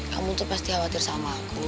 kamu tuh pasti khawatir sama aku